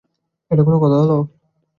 এটা কোনো কথা হলো।